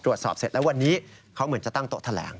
ตรวจสอบเสร็จแล้ววันนี้เขาเหมือนจะตั้งโต๊ะแถลง